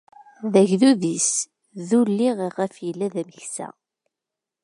D agdud-is, d ulli iɣef yella d ameksa.